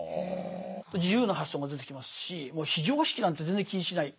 自由な発想も出てきますしもう非常識なんて全然気にしない。